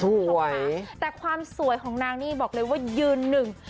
สวยแต่ความสวยของนางนี่บอกเลยว่ายืนหนึ่ง